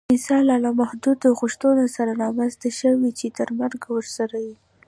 انسان له نامحدودو غوښتنو سره رامنځته شوی چې تر مرګه ورسره وي